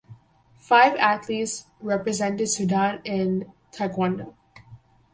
Five athletes represented Sudan in Taekwondo.